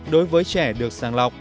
một đối với trẻ được sử dụng